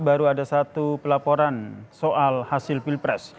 baru ada satu pelaporan soal hasil pilpres